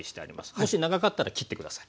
もし長かったら切って下さい。